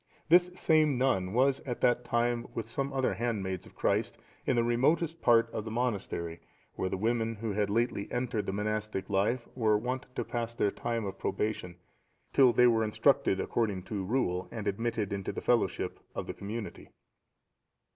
This same nun was at that time with some other handmaids of Christ, in the remotest part of the monastery, where the women who had lately entered the monastic life were wont to pass their time of probation, till they were instructed according to rule, and admitted into the fellowship of the community.